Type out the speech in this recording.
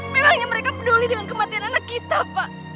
memangnya mereka peduli dengan kematian anak kita pak